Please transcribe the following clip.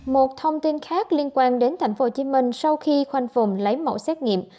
một thông tin khác liên quan đến tp hcm sau khi khoanh phùng lấy mẫu xét nghiệm